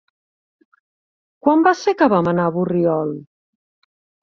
Quan va ser que vam anar a Borriol?